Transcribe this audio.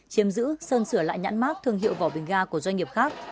chiếm giữ sơn sửa lại nhãn mát thương hiệu vỏ bình ga của doanh nghiệp khác